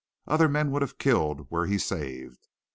Other men would have killed where he saved.